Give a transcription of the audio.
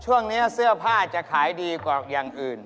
ช่วงนี้เสื้อผ้าจะขายดีกว่าอย่างอื่น